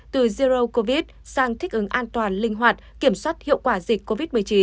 từ zero covid sang thích ứng an toàn linh hoạt kiểm soát hiệu quả dịch covid một mươi chín